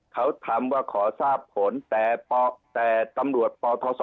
เขาทำว่าขอทราบผลแต่ตำรวจปทศ